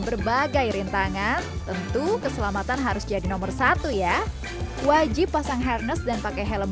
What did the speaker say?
berbagai rintangan tentu keselamatan harus jadi nomor satu ya wajib pasang harness dan pakai helm